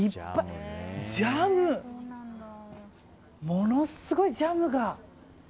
ものすごいジャムが。